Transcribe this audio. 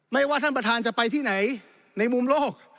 ว่าท่านประธานจะไปที่ไหนในมุมโลก